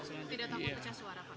tidak tahu kece suara pak